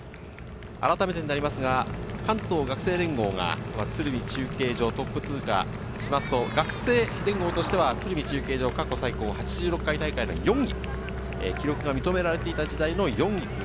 改めてになりますが、関東学生連合が鶴見中継所をトップ通過しますと、学生連合としては鶴見中継所、過去最高８６回大会の４位。